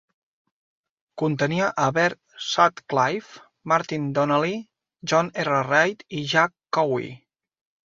Contenia a Bert Sutcliffe, Martin Donnelly, John R. Reid i Jack Cowie.